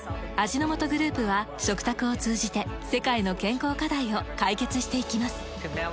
味の素グループは食卓を通じて世界の健康課題を解決していきます。